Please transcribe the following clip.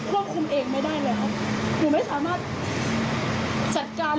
แล้วหนูคออย่างเดียวให้พี่พูดความจริงกับตำรวจ